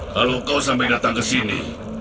kalau kau sampai datang ke sini